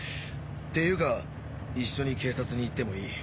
ていうか一緒に警察に行ってもいい。